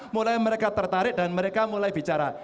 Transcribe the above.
mulai mereka tertarik dan mereka mulai bicara